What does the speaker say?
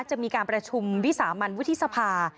จะมีการประชุมวิสามันวุฒิสภา